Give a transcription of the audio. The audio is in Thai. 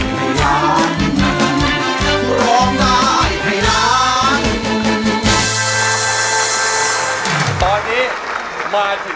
ทุกคนนี้ก็ส่งเสียงเชียร์ทางบ้านก็เชียร์ทางบ้านก็เชียร์